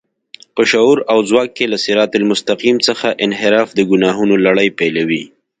په شعور او ځواک کې له صراط المستقيم څخه انحراف د ګناهونو لړۍ پيلوي.